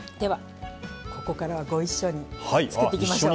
ここからはご一緒に作っていきましょう。